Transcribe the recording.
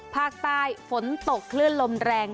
ภาคใต้ฝนตกคลื่นลมแรง